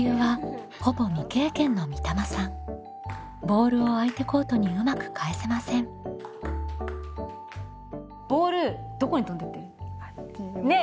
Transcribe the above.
ボールを相手コートにうまく返せません。ね！